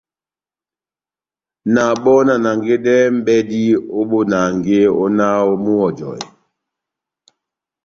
Na bɔ́ na nangedɛhɛni mʼbɛdi ó bonange ó náh múhɔjɔhe.